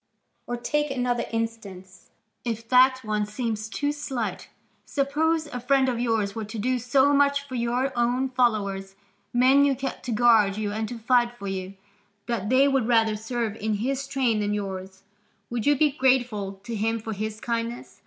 Or take another instance, if that one seems too slight: suppose a friend of yours were to do so much for your own followers, men you kept to guard you and to fight for you, that they would rather serve in his train than yours, would you be grateful to him for his kindness?